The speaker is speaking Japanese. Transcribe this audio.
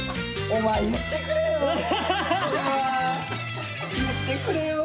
お前言ってくれよ。